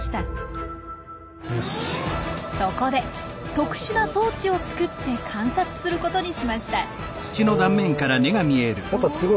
そこで特殊な装置を作って観察することにしました。